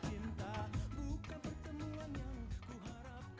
itu yang namanya cintai